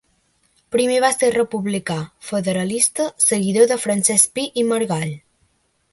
Primer va ser republicà federalista seguidor de Francesc Pi i Margall.